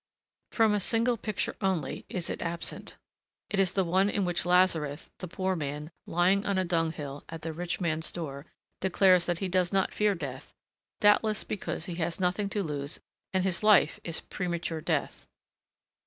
From a single picture only, is it absent. It is that one in which Lazarus, the poor man, lying on a dunghill at the rich man's door, declares that he does not fear Death, doubtless because he has nothing to lose and his life is premature death.